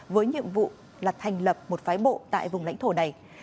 với nhiệm vụ là thành lập một phái bộ tại vùng lãnh thổ này